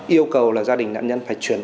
yêu cầu là gia đình nạn nhân phải chuyển